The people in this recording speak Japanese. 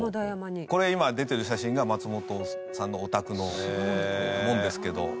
これ今出てる写真が松本さんのお宅の門ですけど。